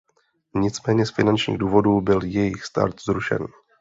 Nicméně z finančních důvodů byl jejich start zrušen.